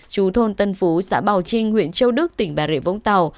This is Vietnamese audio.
chú thôn tân phú xã bào trinh huyện châu đức tỉnh bà rịa vũng tàu